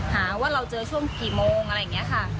หาว่าเราเจอช่วงกี่โมงอะไรอย่างนี้ค่ะ